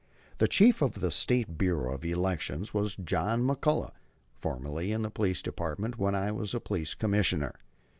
The Chief of the State Bureau of Elections was John McCullagh, formerly in the Police Department when I was Police Commissioner.